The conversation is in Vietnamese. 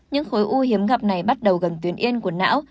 những khối u hiếm gặp này bắt đầu gần tuyến yên của não